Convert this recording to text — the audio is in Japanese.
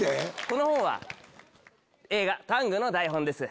この本は映画『ＴＡＮＧ』の台本です。